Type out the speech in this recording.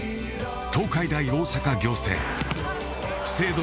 東海大大阪仰星。